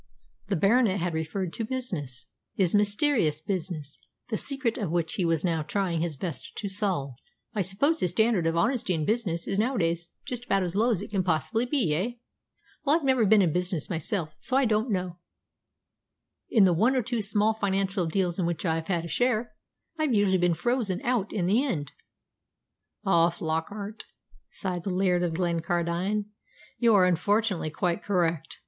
The Baronet had referred to business his mysterious business, the secret of which he was now trying his best to solve. "Yes," he said at length, "I suppose the standard of honesty in business is nowadays just about as low as it can possibly be, eh? Well, I've never been in business myself, so I don't know. In the one or two small financial deals in which I've had a share, I've usually been 'frozen out' in the end." "Ah, Flockart," sighed the Laird of Glencardine, "you are unfortunately quite correct.